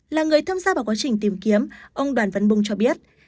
là người tham gia vào quá trình tìm kiếm ông đoàn văn bung cho biết